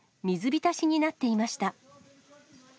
水浸しになっていました。